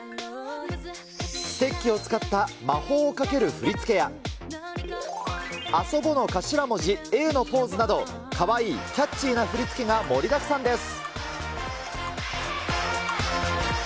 ステッキを使った、魔法をかける振り付けや、ＡＳＯＢＯの頭文字、Ａのポーズなど、かわいい、キャッチーな振り付けが盛りだくさんです。